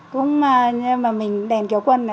cũng mà mình đèn kéo quân